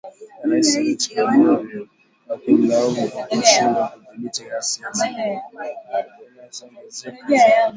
Rais Roch Kabore wakimlaumu kwa kushindwa kudhibiti ghasia zinazoongezeka za